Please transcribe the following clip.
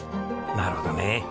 なるほどね。